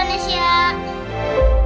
semangat terus anak indonesia